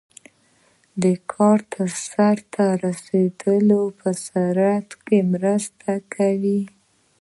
د کار د سرته رسیدو په سرعت کې مرسته کوي.